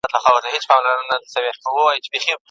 خیر محمد غواړي چې د خپلو ماشومانو هیلې په حقیقت بدلې کړي.